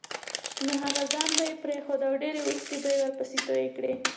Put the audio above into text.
نو هغه ځای به یې پرېښود او ډېرې اوښکې به یې ورپسې تویې کړې.